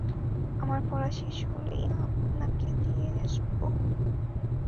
আমার পড়া শেষ হলেই আপনাকে দিয়ে আসব।